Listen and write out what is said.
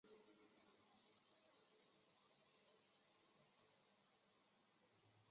由主办方负责在分赛区当地挑选。